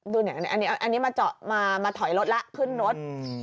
ดูนี่อันนี้มาถอยรถละขึ้นรถ